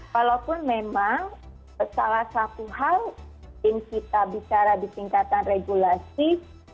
walaupun memang salah satu hal yang kita bicara di tingkatan regulasi